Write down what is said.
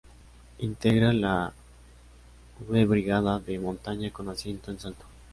Integra la V Brigada de Montaña con asiento en Salta.